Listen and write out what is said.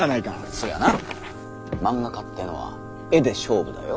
そりゃな漫画家ってのは「絵」で勝負だよ。